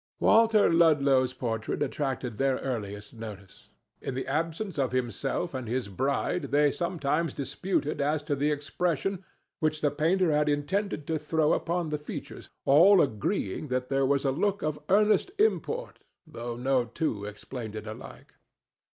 Walter Ludlow's portrait attracted their earliest notice. In the absence of himself and his bride they sometimes disputed as to the expression which the painter had intended to throw upon the features, all agreeing that there was a look of earnest import, though no two explained it alike.